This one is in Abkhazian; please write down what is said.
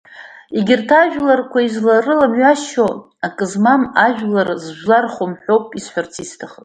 Егьырҭ ажәларқәа изларыламҩашьо акы змам ажәлар зжәлархом ҳәа ауп исҳәарц исҭахыз…